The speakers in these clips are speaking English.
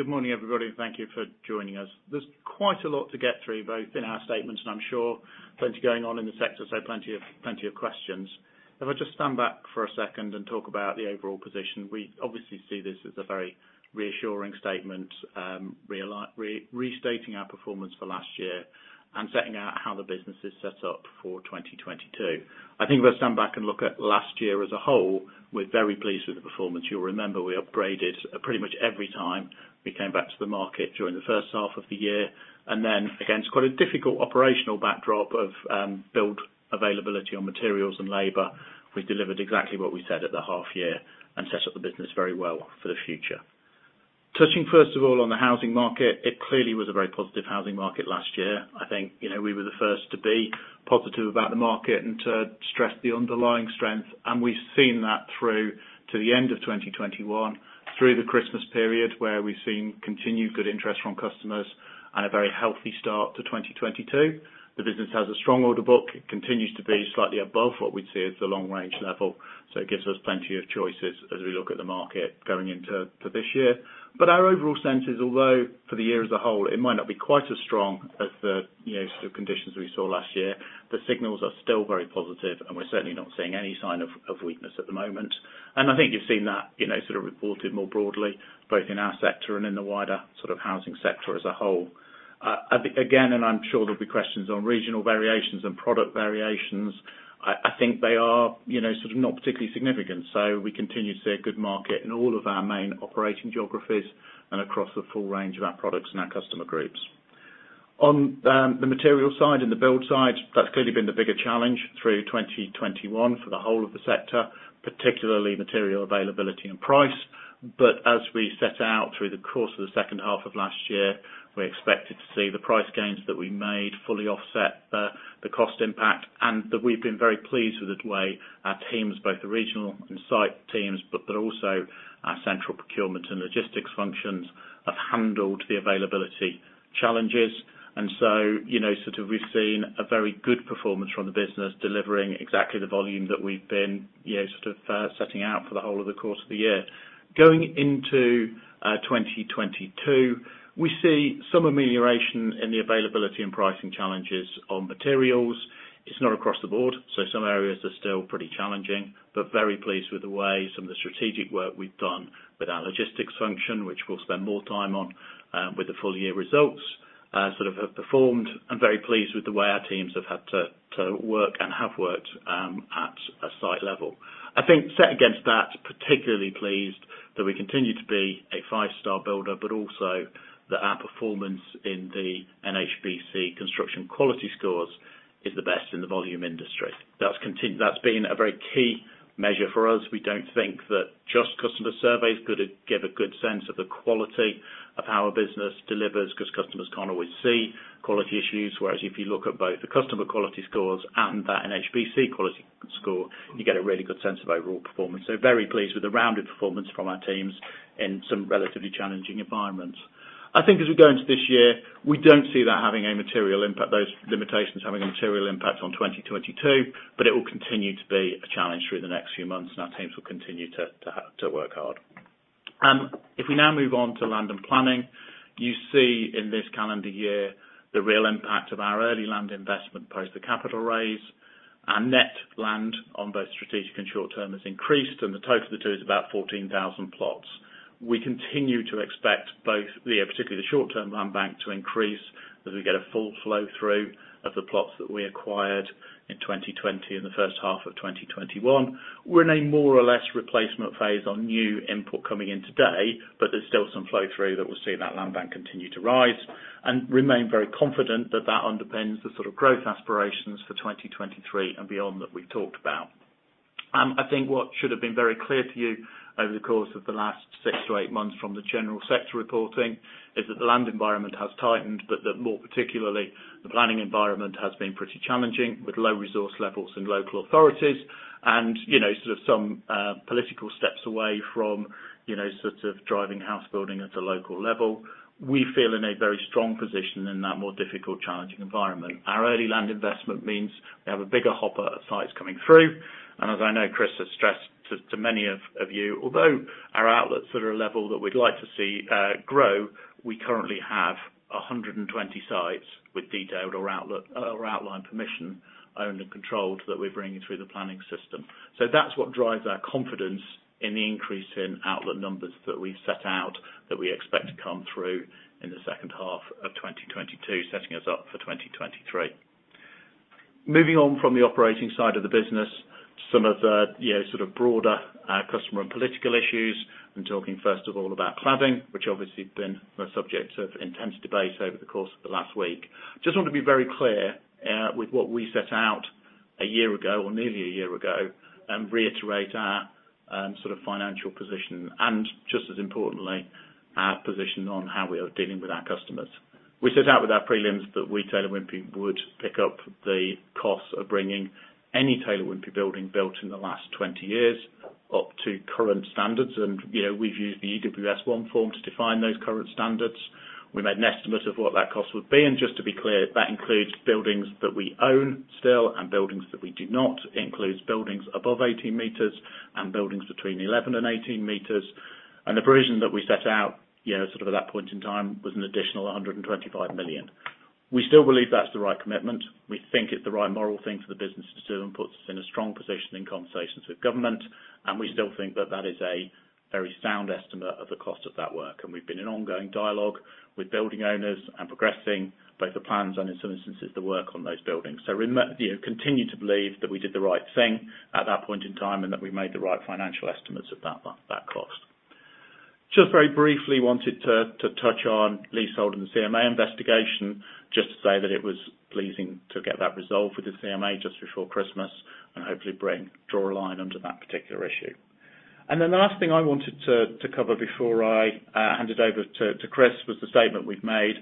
Good morning, everybody, and thank you for joining us. There's quite a lot to get through, both in our statements, and I'm sure plenty going on in the sector, so plenty of questions. If I just stand back for a second and talk about the overall position, we obviously see this as a very reassuring statement, restating our performance for last year and setting out how the business is set up for 2022. I think if I stand back and look at last year as a whole, we're very pleased with the performance. You'll remember we upgraded pretty much every time we came back to the market during the first half of the year. Then, again, it's quite a difficult operational backdrop of build availability on materials and labor. We delivered exactly what we said at the half year and set up the business very well for the future. Touching first of all on the housing market, it clearly was a very positive housing market last year. I think, you know, we were the first to be positive about the market and to stress the underlying strength, and we've seen that through to the end of 2021, through the Christmas period, where we've seen continued good interest from customers and a very healthy start to 2022. The business has a strong order book. It continues to be slightly above what we'd see as the long range level. It gives us plenty of choices as we look at the market going into, for this year. Our overall sense is, although for the year as a whole, it might not be quite as strong as the, you know, sort of conditions we saw last year, the signals are still very positive, and we're certainly not seeing any sign of weakness at the moment. I think you've seen that, you know, sort of reported more broadly, both in our sector and in the wider sort of housing sector as a whole. I think, again, and I'm sure there'll be questions on regional variations and product variations. I think they are, you know, sort of not particularly significant. We continue to see a good market in all of our main operating geographies and across the full range of our products and our customer groups. On the material side and the build side, that's clearly been the bigger challenge through 2021 for the whole of the sector, particularly material availability and price. As we set out through the course of the second half of last year, we expected to see the price gains that we made fully offset the cost impact and that we've been very pleased with the way our teams, both the regional and site teams, but also our central procurement and logistics functions have handled the availability challenges. You know, sort of we've seen a very good performance from the business, delivering exactly the volume that we've been, you know, sort of setting out for the whole of the course of the year. Going into 2022, we see some amelioration in the availability and pricing challenges on materials. It's not across the board, so some areas are still pretty challenging. Very pleased with the way some of the strategic work we've done with our logistics function, which we'll spend more time on with the full year results, sort of have performed. I'm very pleased with the way our teams have had to work and have worked at a site level. I think set against that, particularly pleased that we continue to be a five-star builder, but also that our performance in the NHBC construction quality scores is the best in the volume industry. That's been a very key measure for us. We don't think that just customer surveys could give a good sense of the quality of how a business delivers cause customers can't always see quality issues. Whereas if you look at both the customer quality scores and that NHBC quality score, you get a really good sense of overall performance. Very pleased with the rounded performance from our teams in some relatively challenging environments. I think as we go into this year, we don't see that having a material impact, those limitations having a material impact on 2022, but it will continue to be a challenge through the next few months, and our teams will continue to work hard. If we now move on to land and planning, you see in this calendar year the real impact of our early land investment, post the capital raise. Our net land on both strategic and short-term has increased, and the total of the two is about 14,000 plots. We continue to expect both the, particularly the short-term land bank to increase as we get a full flow-through of the plots that we acquired in 2020 and the first half of 2021. We're in a more or less replacement phase on new input coming in today, but there's still some flow-through that we'll see that land bank continue to rise and remain very confident that that underpins the sort of growth aspirations for 2023 and beyond that we've talked about. I think what should have been very clear to you over the course of the last six to eight months from the general sector reporting is that the land environment has tightened, but that more particularly the planning environment has been pretty challenging with low resource levels in local authorities and, you know, sort of some political steps away from, you know, sort of driving house building at a local level. We feel in a very strong position in that more difficult, challenging environment. Our early land investment means we have a bigger hopper of sites coming through. As I know, Chris has stressed to many of you, although our outlets are at a level that we'd like to see grow, we currently have 120 sites with detailed, or outline permission owned and controlled that we're bringing through the planning system. That's what drives our confidence in the increase in outlet numbers that we set out that we expect to come through in the second half of 2022, setting us up for 2023. Moving on from the operating side of the business, some of the, you know, sort of broader customer and political issues. I'm talking first of all about cladding, which has obviously been a subject of intense debate over the course of the last week. Just want to be very clear with what we set out a year ago, or nearly a year ago, and reiterate our sort of financial position, and just as importantly, our position on how we are dealing with our customers. We set out with our prelims that we, Taylor Wimpey, would pick up the costs of bringing any Taylor Wimpey building built in the last 20 years up to current standards. You know, we've used the EWS1 form to define those current standards. We made an estimate of what that cost would be. Just to be clear, that includes buildings that we own still and buildings that we do not. Includes buildings above 18 meters and buildings between 11 and 18 meters. The provision that we set out, you know, sort of at that point in time, was an additional 125 million. We still believe that's the right commitment. We think it's the right moral thing for the business to do and puts us in a strong position in conversations with government. We still think that is a very sound estimate of the cost of that work. We've been in ongoing dialogue with building owners and progressing both the plans and, in some instances, the work on those buildings. You know, continue to believe that we did the right thing at that point in time, and that we made the right financial estimates at that cost. Just very briefly wanted to touch on leasehold and CMA investigation. Just to say that it was pleasing to get that resolved with the CMA just before Christmas and hopefully draw a line under that particular issue. Then the last thing I wanted to cover before I hand it over to Chris was the statement we've made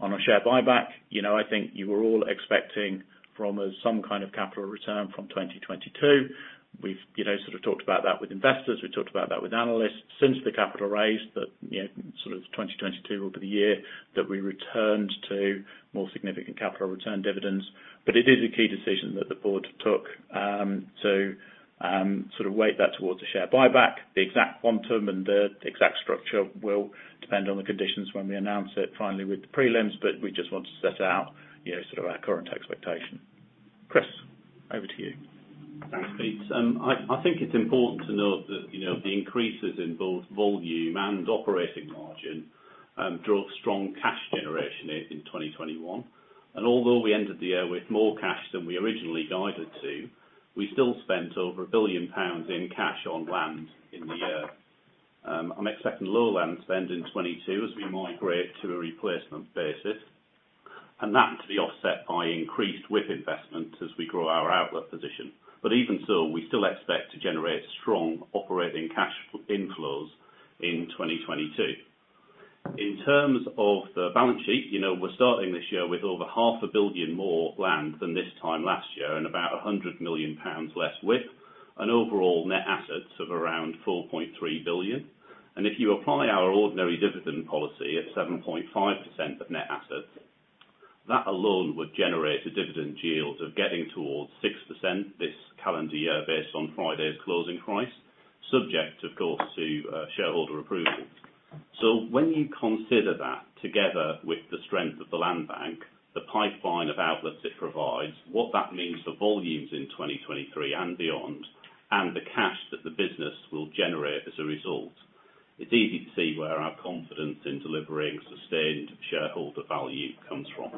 on our share buyback. You know, I think you were all expecting from us some kind of capital return from 2022. We've, you know, sort of talked about that with investors, we talked about that with analysts. Since the capital raise that, you know, sort of 2022 will be the year that we returned to more significant capital return dividends. It is a key decision that the board took to sort of weigh that towards the share buyback. The exact quantum and the exact structure will depend on the conditions when we announce it finally with the prelims, but we just want to set out, you know, sort of our current expectation. Chris, over to you. Thanks, Pete. I think it's important to note that, you know, the increases in both volume and operating margin drove strong cash generation in 2021. Although we ended the year with more cash than we originally guided to, we still spent over 1 billion pounds in cash on land in the year. I'm expecting lower land spend in 2022 as we migrate to a replacement basis. That to be offset by increased WIP investment as we grow our outlet position. Even so, we still expect to generate strong operating cash inflows in 2022. In terms of the balance sheet, you know, we're starting this year with over half a billion more land than this time last year, and about 100 million pounds less WIP. Our overall net assets of around 4.3 billion. If you apply our ordinary dividend policy of 7.5% of net assets, that alone would generate a dividend yield of getting towards 6% this calendar year based on Friday's closing price, subject of course to, shareholder approval. When you consider that together with the strength of the land bank, the pipeline of outlets it provides, what that means for volumes in 2023 and beyond, and the cash that the business will generate as a result, it's easy to see where our confidence in delivering sustained shareholder value comes from.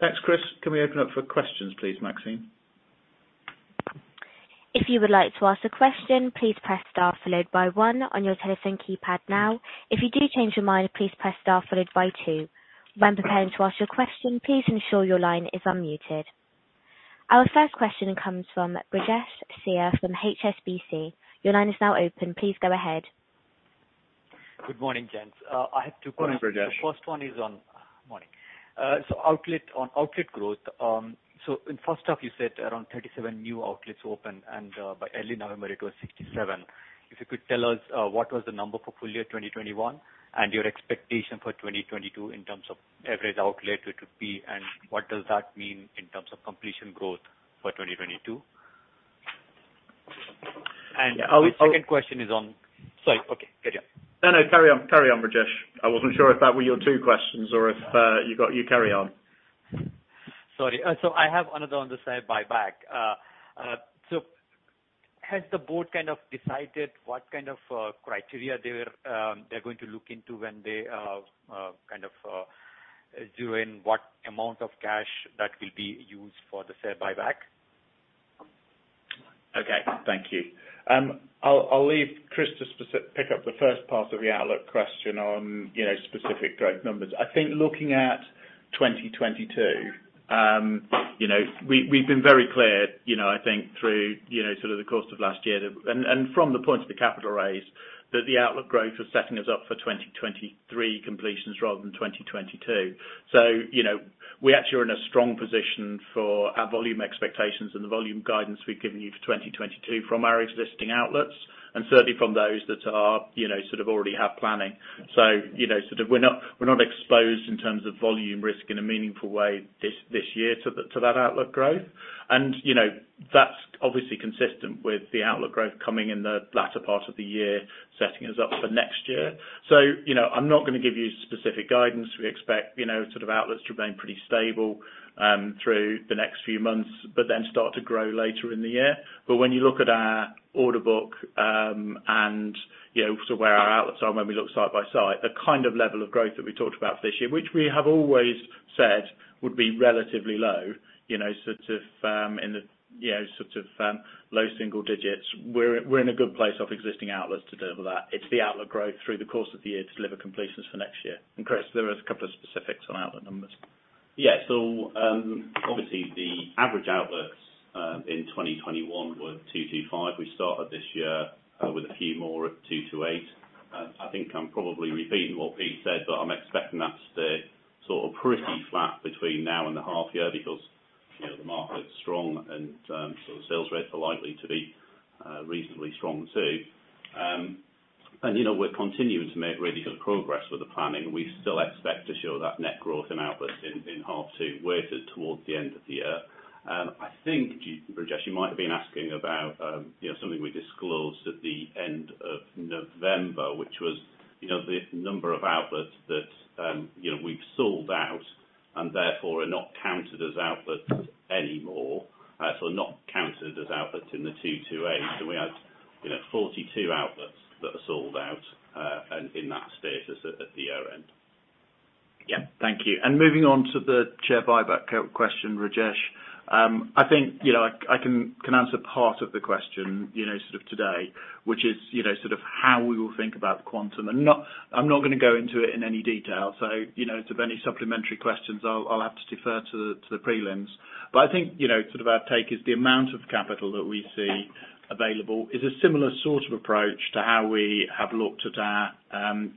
Thanks, Chris. Can we open up for questions please, Maxine? Our first question comes from Brijesh Siya from HSBC. Your line is now open. Please go ahead. Good morning, gents. I have two questions. Morning, Brijesh. Morning. So, on outlet growth. First off, you said around 37 new outlets open and by early November it was 67. If you could tell us what was the number for full year 2021, and your expectation for 2022 in terms of average outlet it would be, and what does that mean in terms of completion growth for 2022? The second question is on. Sorry. Okay, carry on. No, no, carry on, Brijesh. I wasn't sure if that were your two questions or if you got. You carry on. Sorry. I have another on the share buyback. Has the board kind of decided what kind of criteria they're going to look into when they kind of doing what amount of cash that will be used for the share buyback? Okay, thank you. I'll leave Chris to pick up the first part of the outlook question on, you know, specific growth numbers. I think looking at 2022, you know, we've been very clear, you know, I think through, you know, sort of the course of last year that, and from the point of the capital raise, that the outlook growth was setting us up for 2023 completions rather than 2022. You know, we actually are in a strong position for our volume expectations and the volume guidance we've given you for 2022 from our existing outlets, and certainly from those that are, you know, sort of already have planning. You know, sort of we're not exposed in terms of volume risk in a meaningful way this year to that outlook growth. You know, that's obviously consistent with the outlook growth coming in the latter part of the year, setting us up for next year. You know, I'm not gonna give you specific guidance. We expect, you know, sort of outlets to remain pretty stable through the next few months but then start to grow later in the year. When you look at our order book, and, you know, sort of where our outlets are when we look side by side, the kind of level of growth that we talked about for this year, which we have always said would be relatively low, you know, sort of, in the, you know, sort of, low single digits, we're in a good place of existing outlets to deliver that. It's the outlet growth through the course of the year to deliver completions for next year. Chris, there is a couple of specifics on outlet numbers. Obviously, the average outlets in 2021 were 225. We started this year with a few more at 228. I think I'm probably repeating what Pete said, but I'm expecting that to stay sort of pretty flat between now and the half year, because you know, the market's strong and so sales rates are likely to be reasonably strong too. You know, we're continuing to make really good progress with the planning. We still expect to show that net growth in output in half two weighted towards the end of the year. I think, Rajesh, you might have been asking about you know, something we disclosed at the end of November, which was you know, the number of outputs that you know, we've sold out and therefore are not counted as outputs anymore. So not counted as outputs in the 2022 A so we had you know, 42 outputs that are sold out and in that status at the year end. Yeah. Thank you. Moving on to the share buyback question, Brijesh. I think, you know, I can answer part of the question, you know, sort of today, which is, you know, sort of how we will think about the quantum. I'm not gonna go into it in any detail. You know, if there are any supplementary questions I'll have to defer to the prelims. But I think, you know, sort of our take is the amount of capital that we see available is a similar sort of approach to how we have looked at our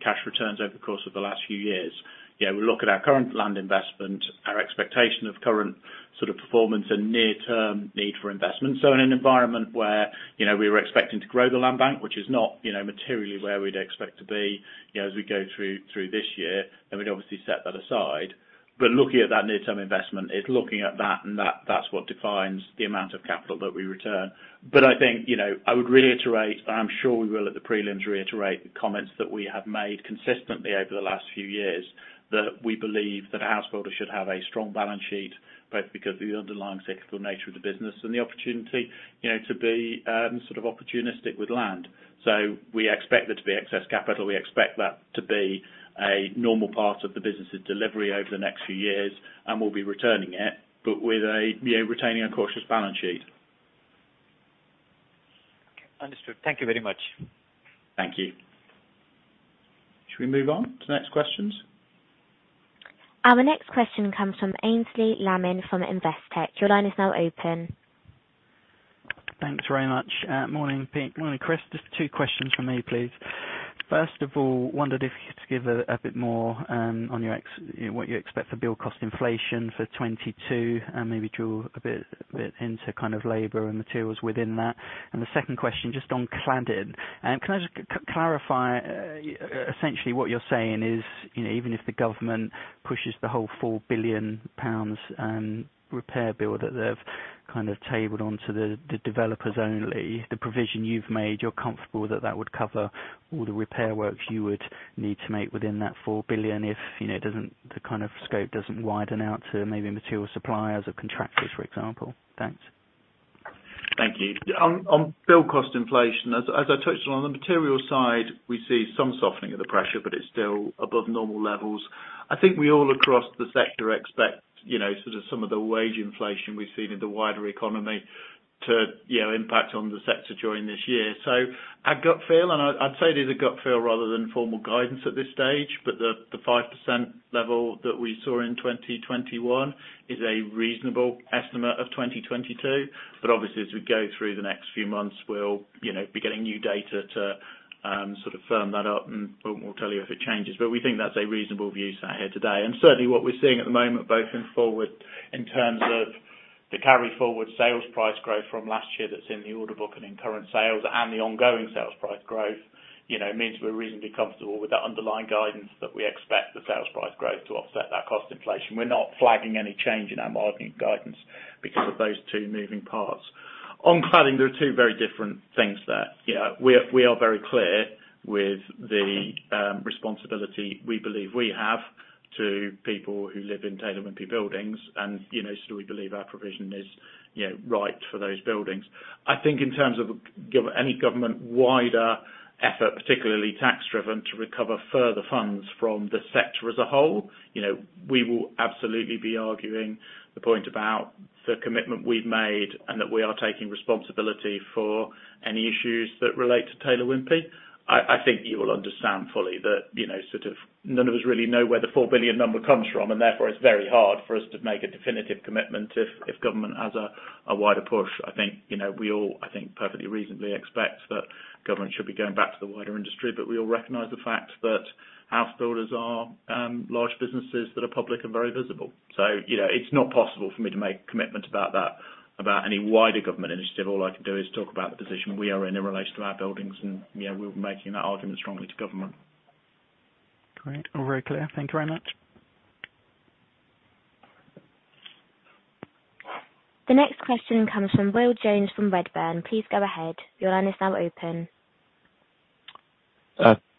cash returns over the course of the last few years. You know, we look at our current land investment, our expectation of current sort of performance and near-term need for investment. In an environment where, you know, we were expecting to grow the land bank, which is not, you know, materially where we'd expect to be, you know, as we go through this year, then we'd obviously set that aside. Looking at that near term investment, and that's what defines the amount of capital that we return. I think, you know, I would reiterate. I'm sure we will at the prelims reiterate the comments that we have made consistently over the last few years, that we believe that a house builder should have a strong balance sheet, both because of the underlying cyclical nature of the business and the opportunity, you know, to be sort of opportunistic with land. We expect there to be excess capital. We expect that to be a normal part of the business delivery over the next few years, and we'll be returning it, but with a, you know, retaining a cautious balance sheet. Okay. Understood. Thank you very much. Thank you. Should we move on to the next questions? Our next question comes from Aynsley Lammin from Investec. Your line is now open. Thanks very much. Morning Pete, morning Chris. Just two questions from me, please. First of all, I wondered if you could give a bit more, you know, on what you expect for build cost inflation for 2022, and maybe drill a bit into kind of labor and materials within that. The second question, just on cladding. Can I just clarify, essentially what you're saying is, you know, even if the government pushes the whole 4 billion pounds repair bill that they've kind of tabled onto the developers only, the provision you've made, you're comfortable that that would cover all the repair works you would need to make within that 4 billion if, you know, it doesn't, the kind of scope doesn't widen out to maybe material suppliers or contractors, for example? Thanks. Thank you. On build cost inflation as I touched on the material side, we see some softening of the pressure, but it's still above normal levels. I think we all across the sector expect, you know, sort of some of the wage inflation we've seen in the wider economy to, you know, impact on the sector during this year. At gut feel, and I'd say it is a gut feel rather than formal guidance at this stage, but the 5% level that we saw in 2021 is a reasonable estimate of 2022. Obviously as we go through the next few months, we'll, you know, be getting new data to sort of firm that up and we'll tell you if it changes. We think that's a reasonable view sat here today. Certainly, what we're seeing at the moment, both in terms of the carry forward sales price growth from last year that's in the order book and in current sales and the ongoing sales price growth, you know, means we're reasonably comfortable with the underlying guidance that we expect the sales price growth to offset that cost inflation. We're not flagging any change in our marketing guidance because of those two moving parts. On cladding, there are two very different things there. Yeah, we are very clear with the responsibility we believe we have to people who live in Taylor Wimpey buildings and, you know, so we believe our provision is, you know, right for those buildings. I think in terms of any government wider effort, particularly tax driven, to recover further funds from the sector as a whole, you know, we will absolutely be arguing the point about the commitment we've made and that we are taking responsibility for any issues that relate to Taylor Wimpey. I think you will understand fully that, you know, sort of none of us really know where the 4 billion number comes from, and therefore it's very hard for us to make a definitive commitment if government has a wider push. I think, you know, we all, I think, perfectly reasonably expect that government should be going back to the wider industry, but we all recognize the fact that house builders are large businesses that are public and very visible. You know, it's not possible for me to make commitments about that, about any wider government initiative. All I can do is talk about the position we are in in relation to our buildings and yeah, we're making that argument strongly to government. Great. All very clear. Thank you very much. The next question comes from William Jones from Redburn. Please go ahead. Your line is now open.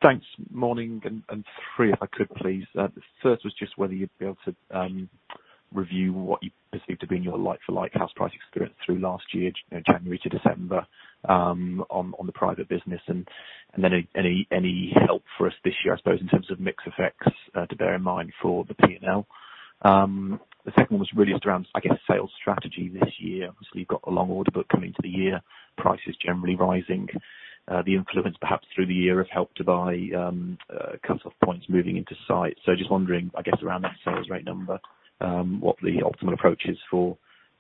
Thanks. Morning, three if I could please. The first was just whether you'd be able to review what you perceive to be your like-for-like house price experience through last year, you know, January to December, on the private business and then any help for us this year, I suppose, in terms of mix effects, to bear in mind for the P&L. The second one was really just around, I guess, sales strategy this year. Obviously, you've got a long order book coming to the year, prices generally rising. The influence perhaps through the year of Help to Buy, cutoff points moving into sight. Just wondering, I guess, around that sales rate number, what the optimal approach is for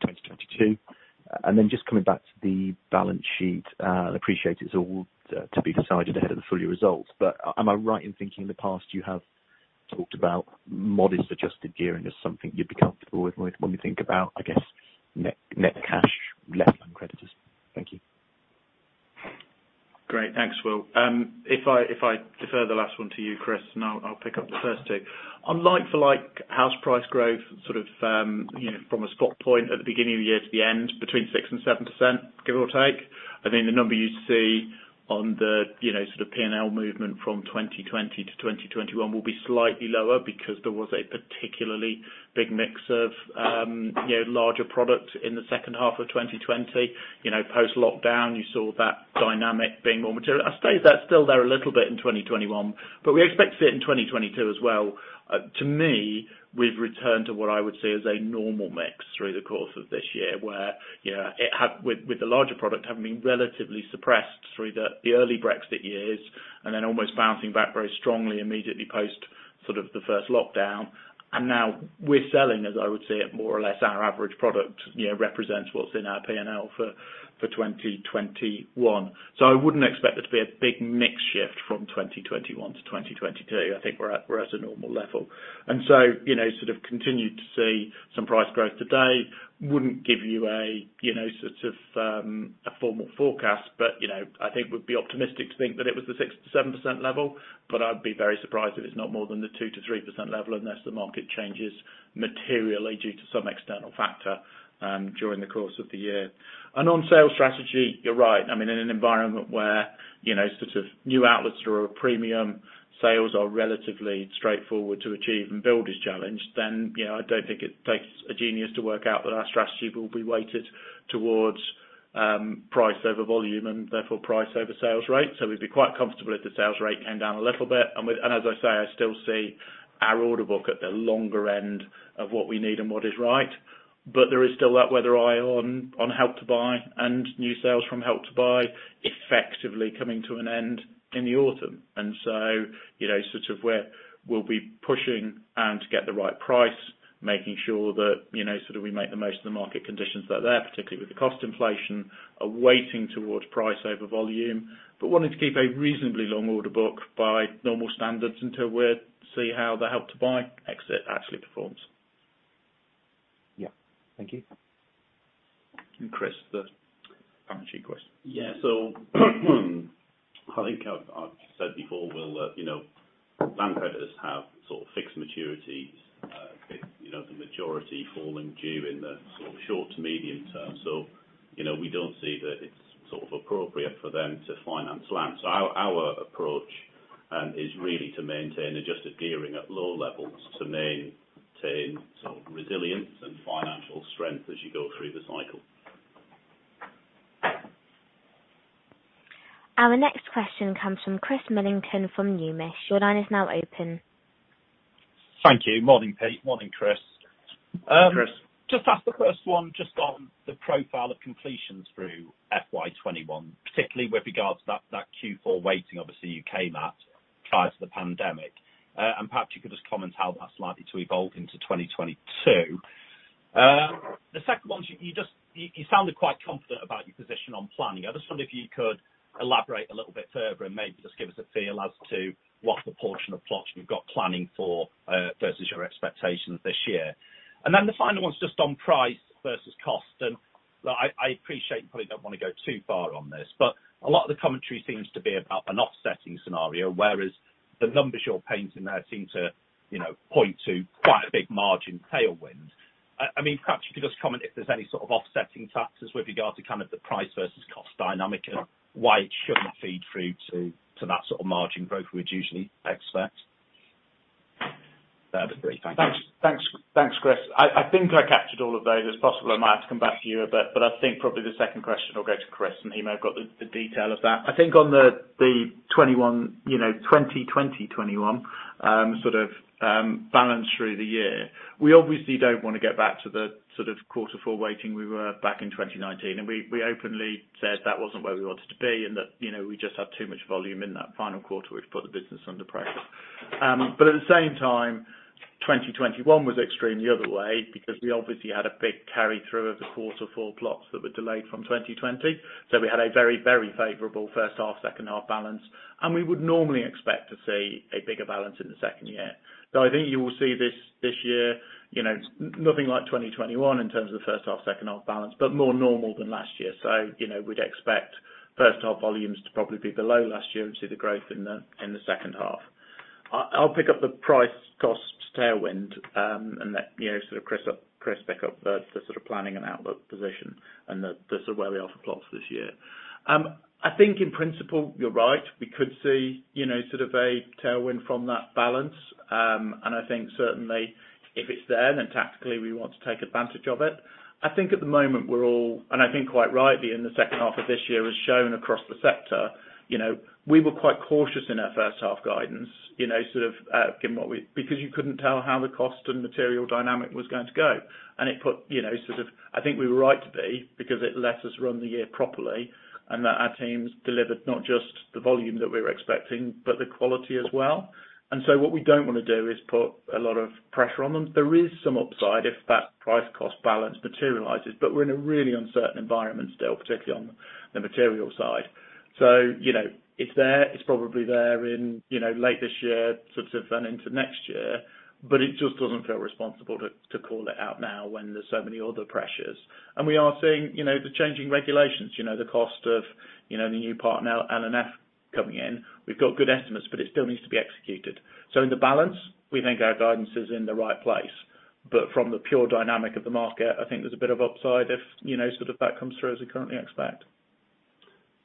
2022. Just coming back to the balance sheet, I appreciate it's all to be decided ahead of the full-year results, but am I right in thinking in the past you have talked about modest adjusted gearing as something you'd be comfortable with when we think about, I guess, net cash left on creditors. Thank you. Great. Thanks, Will. If I defer the last one to you, Chris, and I'll pick up the first two. On like for like house price growth, sort of, you know, from a stock point at the beginning of the year to the end, between 6%-7%, give or take. I think the number you see on the, you know, sort of P&L movement from 2020-2021 will be slightly lower because there was a particularly big mix of, you know, larger products in the second half of 2020. You know, post lockdown, you saw that dynamic being more material. I'd say that's still there a little bit in 2021, but we expect to see it in 2022 as well. To me, we've returned to what I would say is a normal mix through the course of this year, where, you know, with the larger product having been relatively suppressed through the early Brexit years and then almost bouncing back very strongly immediately post sort of the first lockdown. Now we're selling, as I would say it, more or less, our average product, you know, represents what's in our P&L for 2021. I wouldn't expect there to be a big mix shift from 2021-2022. I think we're at a normal level. You know, sort of continued to see some price growth today. Wouldn't give you a, you know, sort of, a formal forecast, but, you know, I think we'd be optimistic to think that it was the 6%-7% level, but I'd be very surprised if it's not more than the 2%-3% level unless the market changes materially due to some external factor, during the course of the year. On sales strategy, you're right. I mean, in an environment where, you know, sort of new outlets are a premium, sales are relatively straightforward to achieve and build is challenged, then, you know, I don't think it takes a genius to work out that our strategy will be weighted towards, price over volume and therefore price over sales rate. We'd be quite comfortable if the sales rate came down a little bit. As I say, I still see our order book at the longer end of what we need and what is right. There is still that weather eye on Help to Buy and new sales from Help to Buy effectively coming to an end in the autumn. You know, sort of where we'll be pushing and to get the right price, making sure that, you know, sort of we make the most of the market conditions that are there, particularly with the cost inflation, are weighting towards price over volume, but wanting to keep a reasonably long order book by normal standards until we see how the Help to Buy exit actually performs. Yeah. Thank you. Chris, the balance sheet question. Yeah. I think I've said before, well, you know, land creditors have sort of fixed maturities, you know, the majority falling due in the sort of short to medium term. You know, we don't see that it's sort of appropriate for them to finance land. Our approach is really to maintain adjusted gearing at low levels to maintain sort of resilience and financial strength as you go through the cycle. Our next question comes from Christopher Millington from Numis. Your line is now open. Thank you. Morning, Pete. Morning, Chris. Hi, Chris. Just ask the first one just on the profile of completions through FY 2021, particularly with regards to that Q4 weighting obviously you came at prior to the pandemic. Perhaps you could just comment how that's likely to evolve into 2022. The second one, you just sounded quite confident about your position on planning. I just wondered if you could elaborate a little bit further and maybe just give us a feel as to what the portion of plots you've got planning for versus your expectations this year. Then the final one's just on price versus cost. Look, I appreciate you probably don't wanna go too far on this, but a lot of the commentary seems to be about an offsetting scenario, whereas the numbers you're painting there seem to, you know, point to quite a big margin tailwind. I mean, perhaps you could just comment if there's any sort of offsetting factors with regard to kind of the price versus cost dynamic and why it shouldn't feed through to that sort of margin growth we'd usually expect. That'd be great. Thank you. Thanks. Thanks, Chris. I think I captured all of those. It's possible I might have to come back to you, but I think probably the second question will go to Chris, and he may have got the detail of that. I think on the 2021, you know, 2020, 2021 sort of balance through the year, we obviously don't want to get back to the sort of quarter four weighting we were back in 2019. We openly said that wasn't where we wanted to be and that, you know, we just had too much volume in that final quarter which put the business under pressure. But at the same time, 2021 was extremely the other way because we obviously had a big carry through of the quarter four plots that were delayed from 2020. We had a very, very favorable first half, second half balance, and we would normally expect to see a bigger balance in the second year. I think you will see this year, you know, nothing like 2021 in terms of the first half, second half balance, but more normal than last year. You know, we'd expect first half volumes to probably be below last year and see the growth in the second half. I'll pick up the price cost tailwind, and let you know, sort of Chris picks up the sort of planning and outlook position and the sort of where we are for plots this year. I think in principle, you're right. We could see, you know, sort of a tailwind from that balance. I think certainly if it's there, then tactically we want to take advantage of it. I think at the moment we're all, and I think quite rightly in the second half of this year as shown across the sector, you know, we were quite cautious in our first half guidance, you know, sort of, given because you couldn't tell how the cost and material dynamic was going to go. It put, you know, sort of, I think we were right to be because it let us run the year properly and that our teams delivered not just the volume that we were expecting, but the quality as well. What we don't want to do is put a lot of pressure on them. There is some upside if that price cost balance materializes, but we're in a really uncertain environment still, particularly on the material side. You know, it's there, it's probably there in, you know, late this year, sort of and into next year, but it just doesn't feel responsible to call it out now when there's so many other pressures. We are seeing, you know, the changing regulations, you know, the cost of, you know, the new Part L & F coming in. We've got good estimates, but it still needs to be executed. In the balance, we think our guidance is in the right place. From the pure dynamic of the market, I think there's a bit of upside if, you know, sort of that comes through as we currently expect.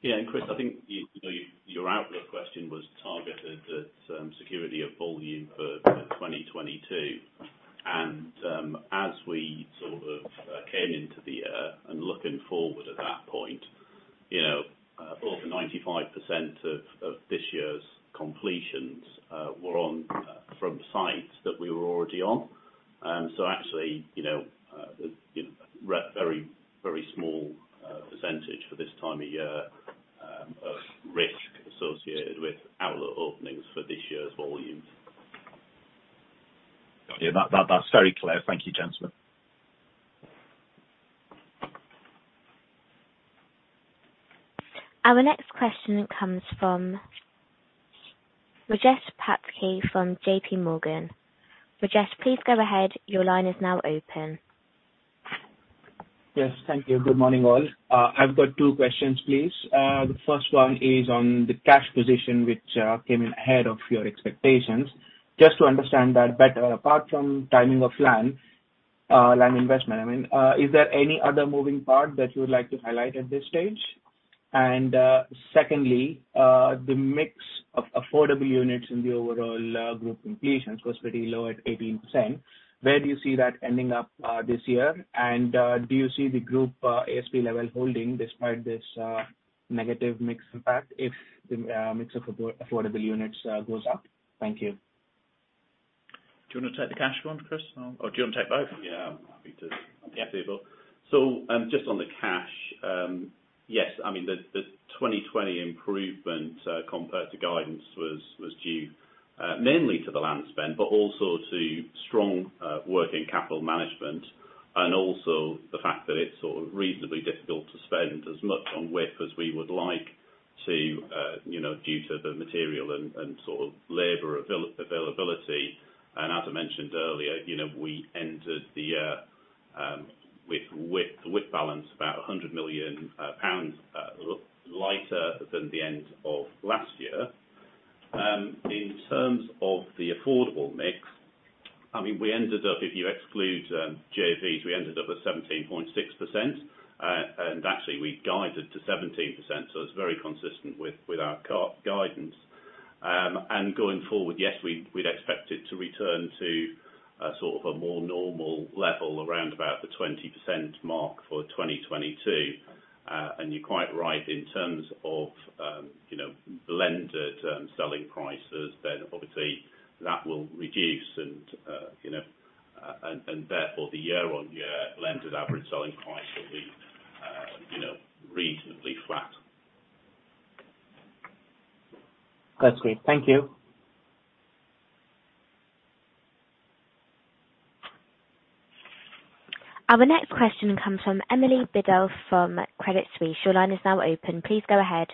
Yeah. Chris, I think you know, your outlook question was targeted at security of volume for 2022. As we sort of came into the year and looking forward at that point, you know, over 95% of this year's completions were on sites that we were already on. Actually, you know, very small percentage for this time of year of risk associated with outlet openings for this year's volumes. Got you. That's very clear. Thank you, gentlemen. Our next question comes from Rajesh Patki from JPMorgan. Rajesh, please go ahead. Your line is now open. Yes, thank you. Good morning all. I've got two questions, please. The first one is on the cash position, which came in ahead of your expectations. Just to understand that better, apart from timing of land investment, I mean, is there any other moving part that you would like to highlight at this stage? Secondly, the mix of affordable units in the overall group completions was pretty low at 18%. Where do you see that ending up this year? Do you see the group ASP level holding despite this negative mix impact if the mix of affordable units goes up? Thank you. Do you wanna take the cash one, Chris, or? Do you want to take both? Yeah, I'm happy to. Yeah. Just on the cash, yes, I mean, the 20% improvement compared to guidance was due mainly to the land spend, but also to strong working capital management, and also the fact that it's sort of reasonably difficult to spend as much on WIP as we would like to, you know, due to the material and sort of labor availability. As I mentioned earlier, you know, we entered the year with WIP balance about 100 million pounds lighter than the end of last year. In terms of the affordable mix, I mean, we ended up, if you exclude JVs, we ended up at 17.6%, and actually we guided to 17%, so it's very consistent with our guidance. Going forward, yes, we'd expect it to return to a sort of a more normal level around about the 20% mark for 2022. You're quite right in terms of, you know, blended selling prices, then obviously that will reduce and, you know, and therefore the year-on-year blended average selling price will be, you know, reasonably flat. That's great. Thank you. Our next question comes from Emily Biddulph from Credit Suisse. Your line is now open. Please go ahead.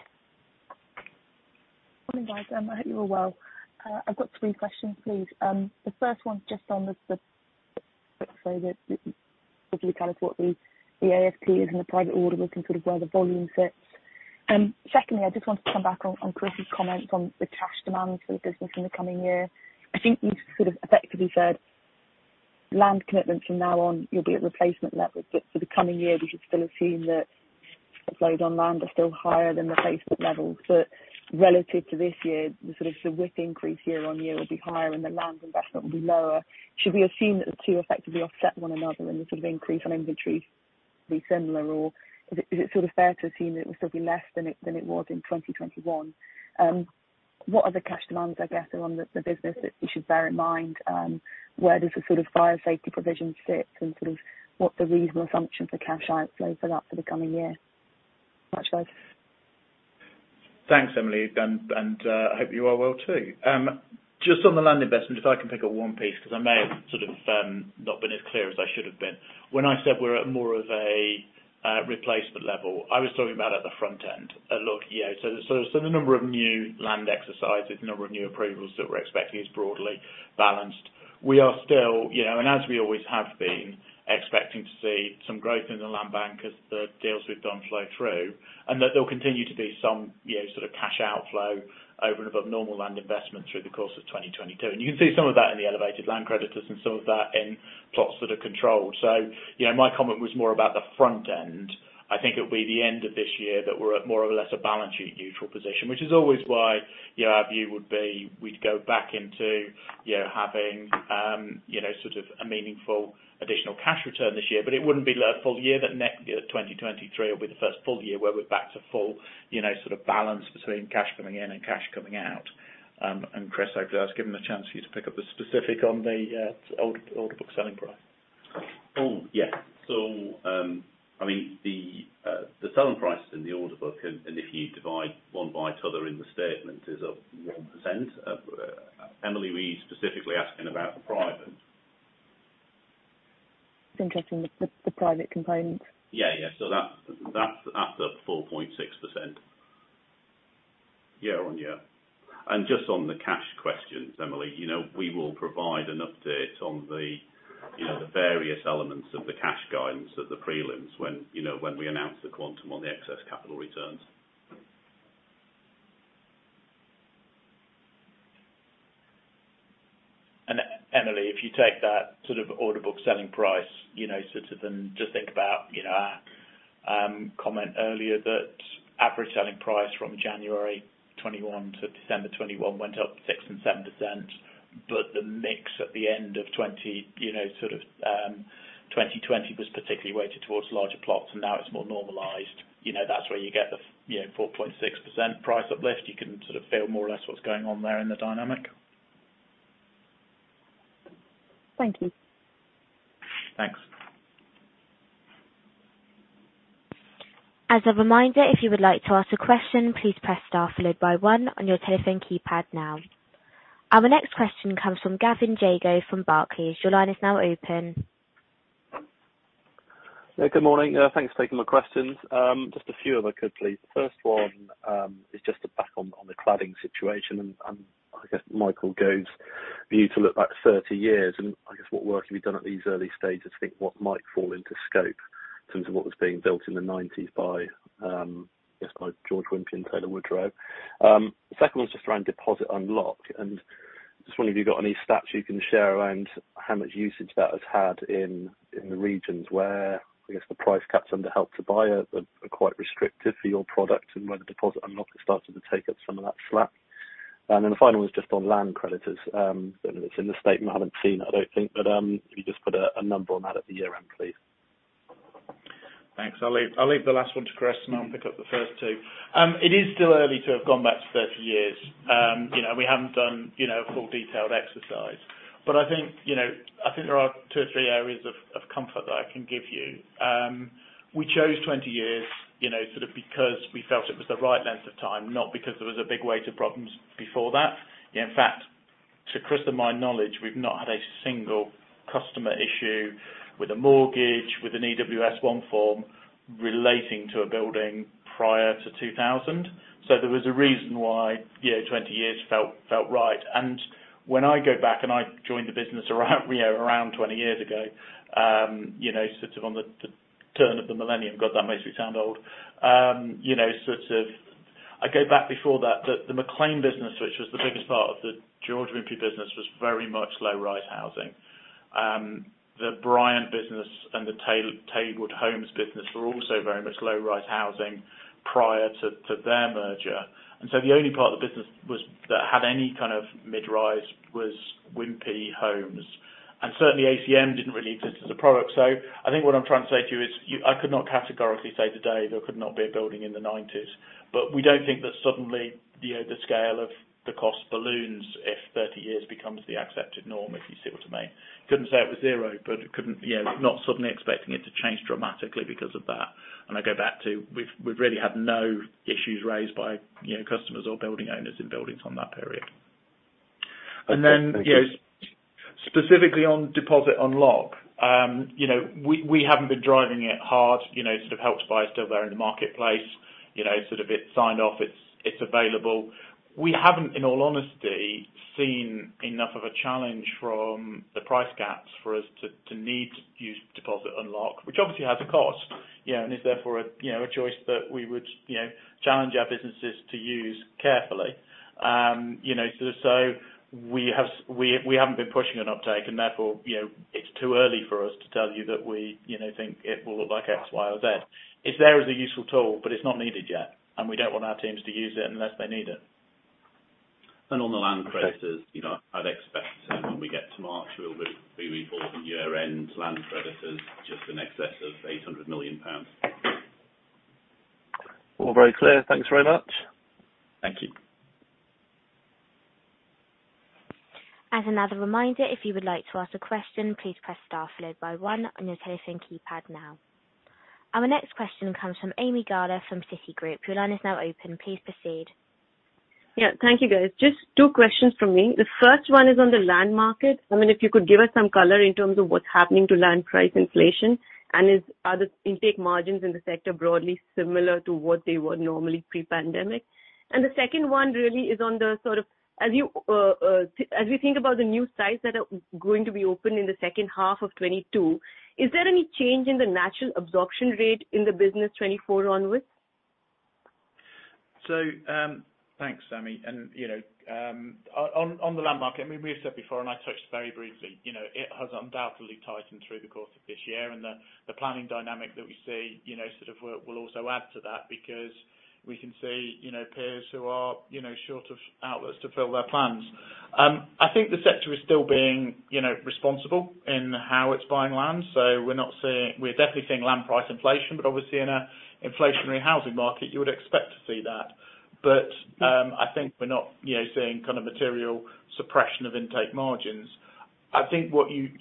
Morning, guys. I hope you're well. I've got three questions, please. The first one's just on the So the kind of what the ASP is in the private order book and sort of where the volume sits. Secondly, I just wanted to come back on Chris's comment on the cash demands for the business in the coming year. I think you sort of effectively said land commitment from now on you'll be at replacement levels, but for the coming year, we should still assume that outflows on land are still higher than replacement levels. Relative to this year, the sort of WIP increase year on year will be higher and the land investment will be lower. Should we assume that the two effectively offset one another and the sort of increase on inventory be similar? Is it sort of fair to assume that it will still be less than it was in 2021? What other cash demands, I guess, are on the business that we should bear in mind? Where does the sort of fire safety provision sit and sort of what the reasonable assumption for cash outflow for that for the coming year? Thanks guys. Thanks, Emily. I hope you are well too. Just on the land investment, if I can pick up one piece, because I may have sort of not been as clear as I should have been. When I said we're at more of a replacement level, I was talking about at the front end. The number of new land exercises, the number of new approvals that we're expecting is broadly balanced. We are still, you know, and as we always have been, expecting to see some growth in the land bank as the deals, we've done flow through, and that there'll continue to be some, you know, sort of cash outflow over and above normal land investment through the course of 2022. You can see some of that in the elevated land credits and some of that in plots that are controlled. You know, my comment was more about the front end. I think it'll be the end of this year that we're at more of a balance sheet neutral position, which is always why, you know, our view would be we'd go back into, you know, having, you know, sort of a meaningful additional cash return this year, but it wouldn't be the full year, but next year, 2023 will be the first full year where we're back to full, you know, sort of balance between cash coming in and cash coming out. Chris, hopefully I've given the chance for you to pick up the specific on the order book selling price. Oh, yes. I mean the selling prices in the order book and if you divide one by the other in the statement is up 1%. Emily, were you specifically asking about the private? Just interested in the private component. Yeah, yeah. That's at the 4.6% year-on-year. Just on the cash questions, Emily, you know, we will provide an update on the, you know, the various elements of the cash guidance at the prelims when, you know, when we announce the quantum on the excess capital returns. Emily, if you take that sort of order book selling price, you know, sort of, and just think about, you know, our comment earlier that average selling price from January 2021-December 2021 went up 6% and 7%, but the mix at the end of 2020, you know, sort of, 2020 was particularly weighted towards larger plots and now it's more normalized. You know, that's where you get the, you know, 4.6% price uplift. You can sort of feel more or less what's going on there in the dynamic. Thank you. Thanks. As a reminder, if you would like to ask a question, please press star followed by one on your telephone keypad now. Our next question comes from Gavin Jago from Barclays. Your line is now open. Yeah, good morning. Thanks for taking my questions. Just a few if I could please. First one is just to back on the cladding situation and I guess Michael Gove's view to look back 30 years, and I guess what work have you done at these early stages to think what might fall into scope in terms of what was being built in the 1990s by I guess by George Wimpey and Taylor Woodrow. The second one is just around Deposit Unlock and just wonder if you've got any stats you can share around how much usage that has had in the regions where I guess the price caps under Help to Buy are quite restrictive for your product and where the Deposit Unlock has started to take up some of that slack. The final is just on land creditors. I don't know if it's in the statement. I haven't seen it, I don't think. If you could just put a number on that at the year end, please. Thanks. I'll leave the last one to Chris and I'll pick up the first two. It is still early to have gone back to 30 years. You know, we haven't done you know a full detailed exercise, but I think you know I think there are 2 or 3 areas of comfort that I can give you. We chose 20 years, you know, sort of because we felt it was the right length of time, not because there was a big weight of problems before that. In fact, to Chris and my knowledge, we've not had a single customer issue with a mortgage with an EWS1 form relating to a building prior to 2000. There was a reason why, you know, 20 years felt right. When I go back and I joined the business around, you know, around 20 years ago, you know, sort of on the turn of the millennium. God, that makes me sound old. You know, sort of I go back before that, the McLean business, which was the biggest part of the George Wimpey business, was very much low-rise housing. The Bryant business and the Taylor Woodrow Homes business were also very much low-rise housing prior to their merger. The only part of the business that had any kind of mid-rise was Wimpey Homes. Certainly, ACM didn't really exist as a product. I think what I'm trying to say to you is I could not categorically say today there could not be a building in the nineties, but we don't think that suddenly, you know, the scale of the cost balloons if 30 years becomes the accepted norm, if you see what I mean. Couldn't say it was zero, but couldn't, you know, not suddenly expecting it to change dramatically because of that. I go back to we've really had no issues raised by, you know, customers or building owners in buildings from that period. Okay. Thank you. Specifically on Deposit Unlock, we haven't been driving it hard. Help to Buy is still there in the marketplace. It's signed off. It's available. We haven't, in all honesty, seen enough of a challenge from the price gaps for us to need to use Deposit Unlock, which obviously has a cost and is therefore a choice that we would challenge our businesses to use carefully. We haven't been pushing an uptake and therefore it's too early for us to tell you that we think it will look like X, Y, or Z. It's there as a useful tool, but it's not needed yet, and we don't want our teams to use it unless they need it. On the land creditors- Okay. You know, I'd expect when we get to March, we'll be reporting year-end land creditors just in excess of 800 million pounds. All very clear. Thanks very much. Thank you. As another reminder, if you would like to ask a question, please press star followed by one on your telephone keypad now. Our next question comes from Ami Galla from Citigroup. Your line is now open. Please proceed. Yeah, thank you, guys. Just two questions from me. The first one is on the land market. I mean, if you could give us some color in terms of what's happening to land price inflation and are the intake margins in the sector broadly similar to what they were normally pre-pandemic? The second one really is on the sort of as we think about the new sites that are going to be open in the second half of 2022, is there any change in the natural absorption rate in the business 2024 onwards? Thanks, Ami. You know, on the land market, I mean, we have said before, and I touched very briefly, you know, it has undoubtedly tightened through the course of this year. The planning dynamic that we see, you know, sort of will also add to that because we can see, you know, peers who are, you know, short of outlets to fill their plans. I think the sector is still being, you know, responsible in how it's buying land. We're definitely seeing land price inflation, but obviously in an inflationary housing market you would expect to see that. I think we're not, you know, seeing kind of material suppression of intake margins. I think what you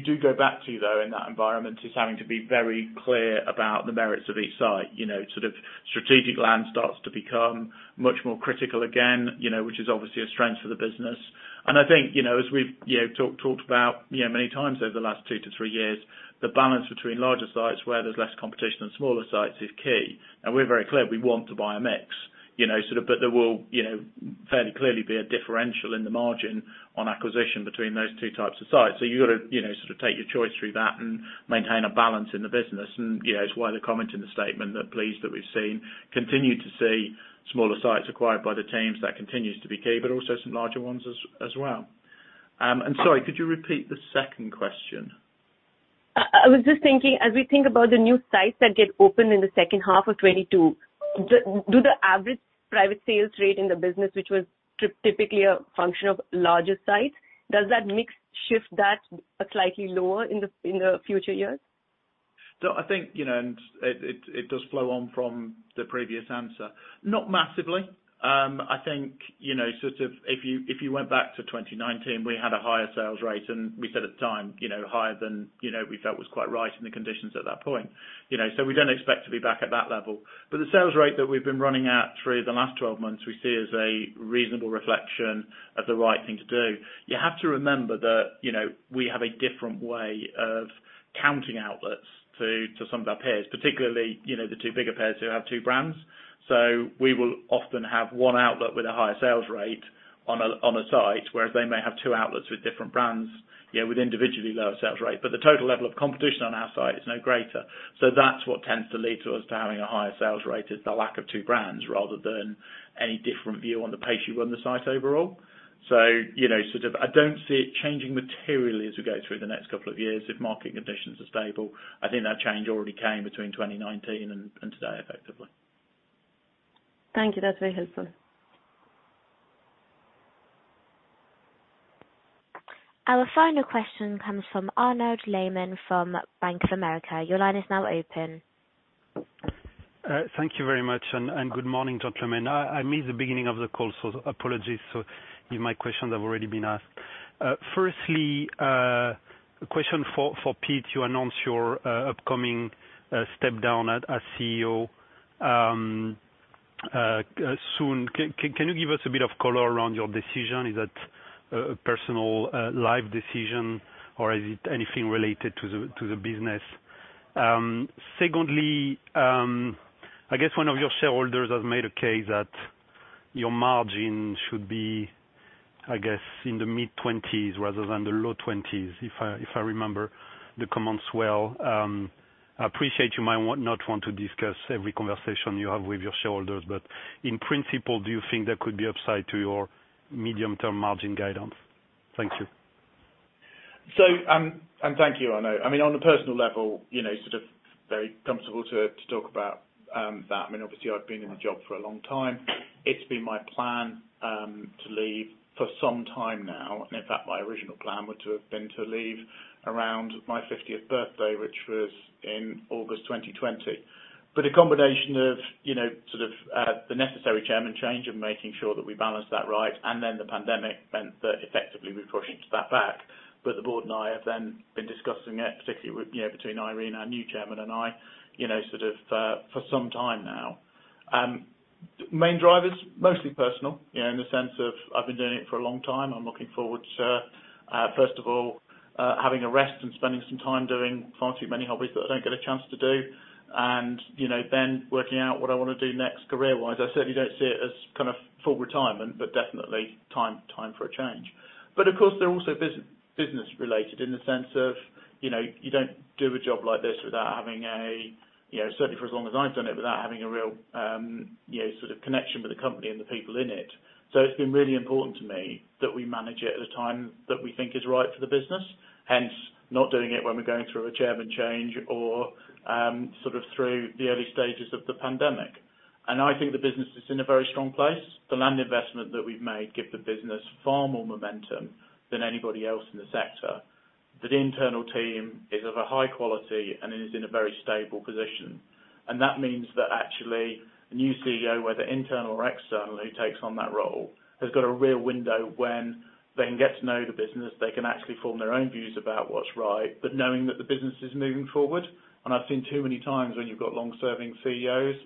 do go back to though, in that environment, is having to be very clear about the merits of each site. You know, sort of strategic land starts to become much more critical again, you know, which is obviously a strength for the business. I think, you know, as we've, you know, talked about, you know, many times over the last two to three years, the balance between larger sites where there's less competition and smaller sites is key. We're very clear we want to buy a mix, you know, sort of. There will, you know, fairly clearly be a differential in the margin on acquisition between those two types of sites. You gotta, you know, sort of take your choice through that and maintain a balance in the business. You know, it's why the comment in the statement, they're pleased that we continue to see smaller sites acquired by the teams. That continues to be key, but also some larger ones as well. Sorry, could you repeat the second question? I was just thinking, as we think about the new sites that get opened in the second half of 2022, do the average private sales rate in the business, which was typically a function of larger sites, does that mix shift that slightly lower in the future years? I think, you know, and it does flow on from the previous answer. Not massively. I think, you know, sort of if you went back to 2019, we had a higher sales rate, and we said at the time, you know, higher than we felt was quite right and the conditions at that point. You know, we don't expect to be back at that level. The sales rate that we've been running at through the last 12 months, we see as a reasonable reflection of the right thing to do. You have to remember that, you know, we have a different way of counting outlets to some of our peers, particularly, you know, the two bigger peers who have two brands. We will often have one outlet with a higher sales rate on a site, whereas they may have two outlets with different brands, you know, with individually lower sales rate. The total level of competition on our site is no greater, so that's what tends to lead to us to having a higher sales rate, is the lack of two brands rather than any different view on the pace you run the site overall. You know, sort of, I don't see it changing materially as we go through the next couple of years if market conditions are stable. I think that change already came between 2019 and today effectively. Thank you. That's very helpful. Our final question comes from Arnaud Lehmann from Bank of America. Your line is now open. Thank you, very much and good morning, gentlemen. I missed the beginning of the call, so apologies if my questions have already been asked. Firstly, a question for Pete. You announced your upcoming step down as CEO soon. Can you give us a bit of color around your decision? Is that a personal life decision, or is it anything related to the business? Secondly, I guess one of your shareholders has made a case that your margin should be, I guess, in the mid 20% rather than the low 20%, if I remember the comments well. I appreciate you might not want to discuss every conversation you have with your shareholders, but in principle, do you think there could be upside to your medium-term margin guidance? Thank you. Thank you, Arnaud. I mean, on a personal level, you know, sort of very comfortable to talk about that. I mean, obviously I've been in the job for a long time. It's been my plan to leave for some time now. In fact, my original plan would have been to leave around my 15th birthday, which was in August 2020. A combination of, you know, sort of, the necessary chairman change and making sure that we balance that right, and then the pandemic meant that effectively we pushed that back. The board and I have then been discussing it, particularly you know, between Irene, our new chairman, and I, you know, sort of, for some time now. Main driver's mostly personal, you know, in the sense of I've been doing it for a long time. I'm looking forward to first of all having a rest and spending some time doing far too many hobbies that I don't get a chance to do. You know, then working out what I wanna do next career-wise. I certainly don't see it as kind of full retirement, but definitely time for a change. Of course they're also business related in the sense of, you know, you don't do a job like this. You know, certainly for as long as I've done it, without having a real, you know, sort of connection with the company and the people in it. It's been really important to me that we manage it at a time that we think is right for the business, hence not doing it when we're going through a chairman change or, sort of through the early stages of the pandemic. I think the business is in a very strong place. The land investment that we've made give the business far more momentum than anybody else in the sector. The internal team is of a high quality, and it is in a very stable position. That means that actually a new CEO, whether internal or external, who takes on that role, has got a real window when they can get to know the business. They can actually form their own views about what's right but knowing that the business is moving forward. I've seen too many times when you've got long-serving CEOs,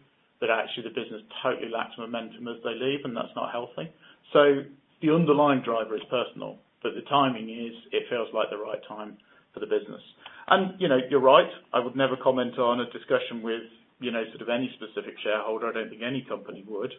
that actually the business totally lacks momentum as they leave, and that's not healthy. The underlying driver is personal, but the timing is, it feels like the right time for the business. You know, you're right, I would never comment on a discussion with, you know, sort of any specific shareholder. I don't think any company would.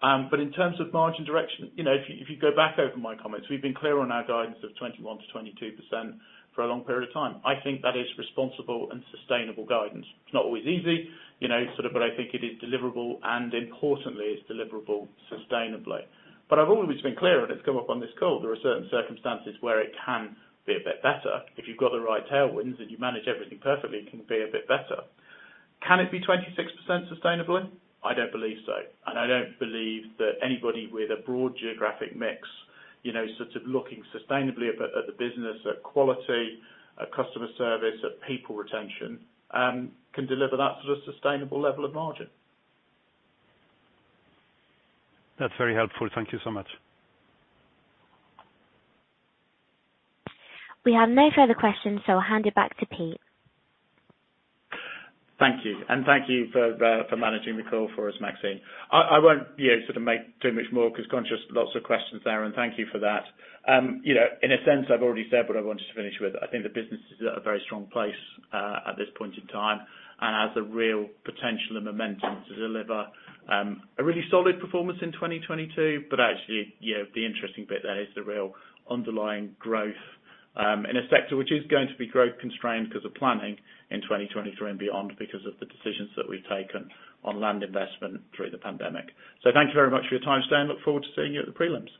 But in terms of margin direction, you know, if you, if you go back over my comments, we've been clear on our guidance of 21%-22% for a long period of time. I think that is responsible and sustainable guidance. It's not always easy, you know, sort of, but I think it is deliverable and importantly it's deliverable sustainably. I've always been clear, and it's come up on this call, there are certain circumstances where it can be a bit better. If you've got the right tailwinds and you manage everything perfectly, it can be a bit better. Can it be 26% sustainably? I don't believe so, and I don't believe that anybody with a broad geographic mix, you know, sort of looking sustainably at the business, at quality, at customer service, at people retention, can deliver that sort of sustainable level of margin. That's very helpful. Thank you so much. We have no further questions, so I'll hand it back to Pete. Thank you. Thank you for managing the call for us, Maxine. I won't, you know, sort of make too much more cause I'm conscious of lots of questions there and thank you for that. You know, in a sense, I've already said what I wanted to finish with. I think the business is at a very strong place at this point in time and has the real potential and momentum to deliver a really solid performance in 2022. Actually, you know, the interesting bit there is the real underlying growth in a sector which is going to be growth constrained cause of planning in 2023 and beyond, because of the decisions that we've taken on land investment through the pandemic. Thank you very much for your time today, and I look forward to seeing you at the prelims.